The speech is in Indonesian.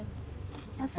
rasanya sedih saja